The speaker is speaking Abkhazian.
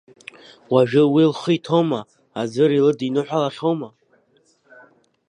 Уажәы уи лхы иҭоума, аӡәыр илыдиныҳәалахьоума…